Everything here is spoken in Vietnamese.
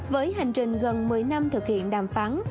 với hành trình gần một mươi năm thực hiện đàm phán